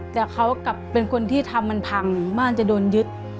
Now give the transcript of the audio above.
แต่เขากลับเป็นคนที่ทำมันพังบ้านจะโดนยึด